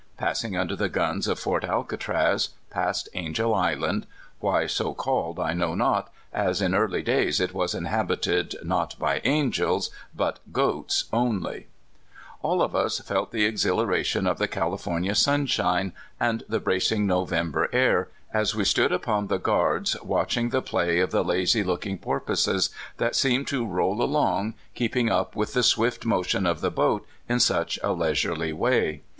Passing under the guns of Fort Alcatraz, past Angel Island (why so called I know not, as in early days it was inhabited not by angels, but goats only), all of us felt the exhilara tion of the California sunshine and the bracing November air, as we stood upon the guards watch ing the play of the lazy looking porpoises, that seemed to roll along, keeping up with the swift motion of the boat in such a leisurely way.